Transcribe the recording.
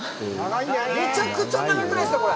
めちゃくちゃ長くないですか。